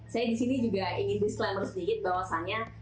saya disini juga ingin disclaimer sedikit bahwasannya